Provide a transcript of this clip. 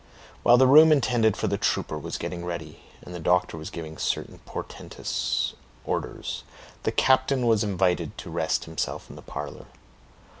While the room intended for the trooper was getting ready, and the doctor was giving certain portentous orders, the captain was invited to rest himself in the parlor.